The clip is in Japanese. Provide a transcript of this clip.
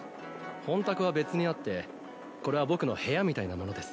本宅は別にあってこれは僕の部屋みたいなものです。